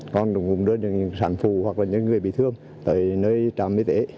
còn đừng đưa những sản phụ hoặc những người bị thương tới nơi trả mỹ tế